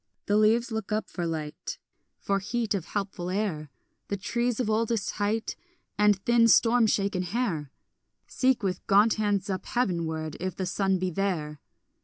The leaves look up for light, For heat of helpful air; The trees of oldest height And thin storm shaken hair Seek with gaunt hands up heavenward if the sun be there.